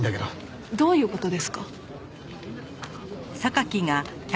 どういう事ですか？